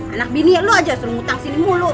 anak bini ya lu aja suruh ngutang sini mulu